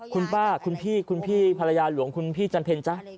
คุณป้าคุณพี่คุณพี่ภรรยาหลวงคุณพี่จันเพ็ญจ๊ะ